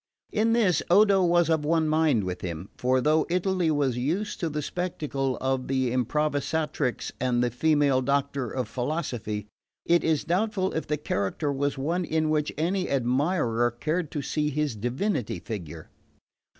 In this Odo was of one mind with him; for though Italy was used to the spectacle of the Improvisatrice and the female doctor of philosophy, it is doubtful if the character was one in which any admirer cared to see his divinity figure.